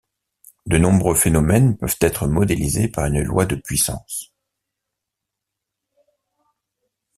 De nombreux phénomènes peuvent être modélisés par une loi de puissance.